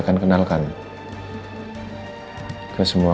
jangan masuk ke situ